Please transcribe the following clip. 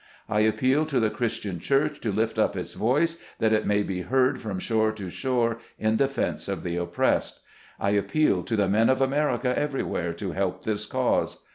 I appeal to the Christian Church to lift up its voice, that it may be heard from shore to shore in defence of the oppressed. I appeal to the men of America everywhere to help this cause.